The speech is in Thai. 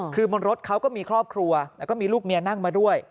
คือบนรถเขาก็มีครอบครัวแล้วก็มีลูกเมียนั่งมาด้วย